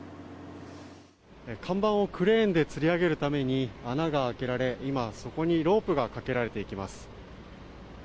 看板をクレーンでつり上げるために穴が開けられ今、そこにロープがかけられていきます。